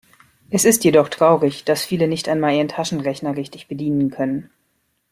Es ist jedoch traurig, dass viele nicht einmal ihren Taschenrechner richtig bedienen können.